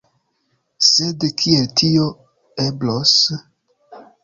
Sed kiel tio eblos?